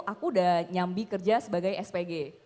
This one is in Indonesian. aku udah nyambi kerja sebagai spg